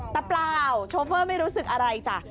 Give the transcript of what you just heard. แต่เปล่าโชเฟอร์ไม่รู้สึกอะไรจ้ะ